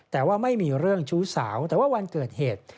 แต่ว่าไม่มีเรื่องชู้สาวแต่ว่าวันเกิดเหตุ